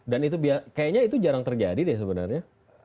dan itu biasa kayaknya itu jarang terjadi deh sebenarnya